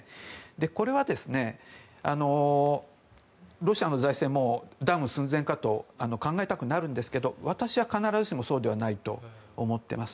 これはロシアの財政ダウン寸前かと考えたくなるんですが私は必ずしもそうではないと思っています。